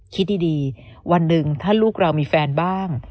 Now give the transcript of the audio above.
คิดดีวันหนึ่งถ้าลูกเรามีแฟนบ้าง